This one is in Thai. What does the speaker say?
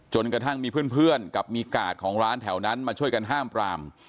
กระทั่งมีเพื่อนกับมีกาดของร้านแถวนั้นมาช่วยกันห้ามปราม